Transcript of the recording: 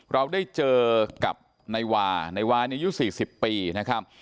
เราได้เจอกับนายวานายวาอายุ๔๐ปีนะครับ